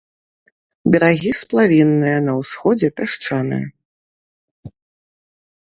Берагі сплавінныя, на ўсходзе пясчаныя.